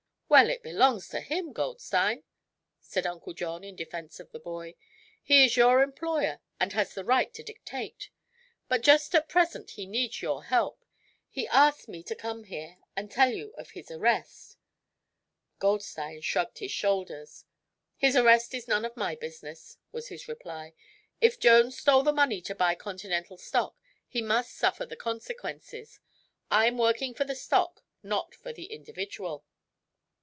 "Well, it belongs to him, Goldstein," said Uncle John, in defense of the boy. "He is your employer and has the right to dictate. But just at present he needs your help. He asked me to come here and tell you of his arrest." Goldstein shrugged his shoulders. "His arrest is none of my business," was his reply. "If Jones stole the money to buy Continental stock he must suffer the consequences. I'm working for the stock, not for the individual."